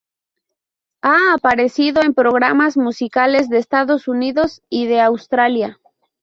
Ha aparecido en programas musicales de Estados Unidos y de Australia.